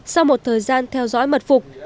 sau một thời gian theo dõi mật phục